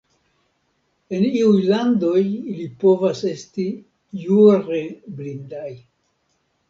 En iuj landoj ili povas esti jure blindaj.